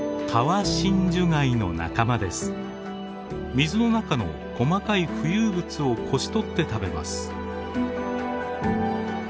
水の中の細かい浮遊物をこしとって食べます。